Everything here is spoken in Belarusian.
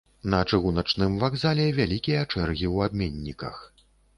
На чыгуначным вакзале вялікія чэргі ў абменніках.